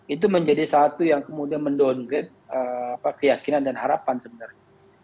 itu menjadi satu yang kemudian mendowngrade keyakinan dan harapan sebenarnya